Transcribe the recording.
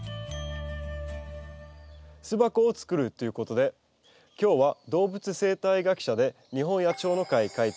巣箱を作るということで今日は動物生態学者で日本野鳥の会会長